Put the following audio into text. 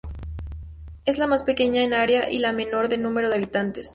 Es la más pequeña en área y la de menor número de habitantes.